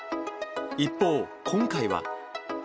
一方、今回は。